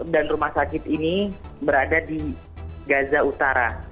dan rumah sakit ini berada di gaza utara